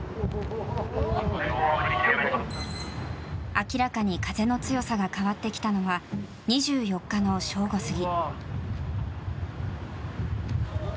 明らかに風の強さが変わってきたのは２４日の正午過ぎ。